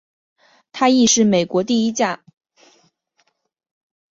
它亦是美国第一架装设弹射椅的战机。